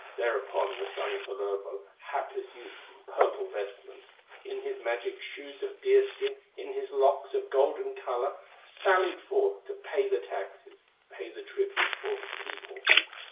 Thereupon the son, Kullervo, Hapless youth in purple vestments, In his magic shoes of deer skin, In his locks of golden color, Sallied forth to pay the taxes, Pay the tribute for his people.